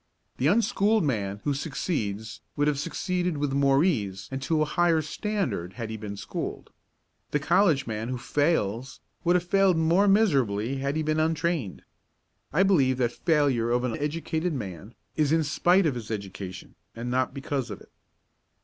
The unschooled man who succeeds would have succeeded with more ease and to a higher standard had he been schooled. The college man who fails would have failed more miserably had he been untrained. I believe that failure of an educated man is in spite of his education, and not because of it.